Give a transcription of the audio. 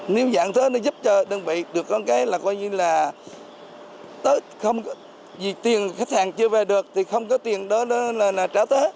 nếu giãn thuế nó giúp cho đơn vị được có cái là coi như là tớ không có vì tiền khách hàng chưa về được thì không có tiền đó là trả tớ